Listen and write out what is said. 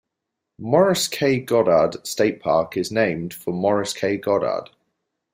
Maurice K. Goddard State park is named for Maurice K. Goddard.